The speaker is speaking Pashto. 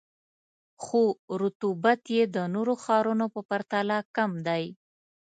خو رطوبت یې د نورو ښارونو په پرتله کم دی.